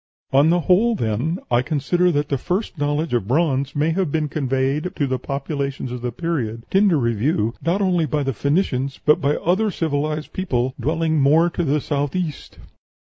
On the whole, then, I consider that the first knowledge of bronze may have been conveyed to the populations of the period under review not only by the Phoenicians, but by other civilized people dwelling more to the south east."